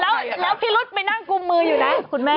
แล้วพี่รุ๊ดมานั่งกุมมือคุณแม่